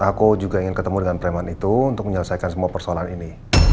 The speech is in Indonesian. aku juga ingin ketemu dengan preman itu untuk menyelesaikan semua persoalan ini